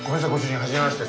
はじめまして。